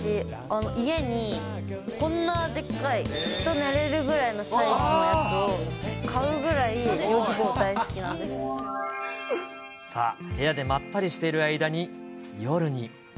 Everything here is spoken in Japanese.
家に、こんなでっかい、人寝れるぐらいのサイズのやつを買うぐらい、ヨギボー大好きなんさあ、部屋でまったりしている間に、夜に。